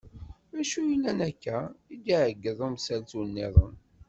Acu yellan akka? i d-iɛeggeḍ umsaltu niḍen.